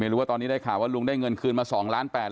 รู้ว่าตอนนี้ได้ข่าวว่าลุงได้เงินคืนมา๒ล้าน๘๐๐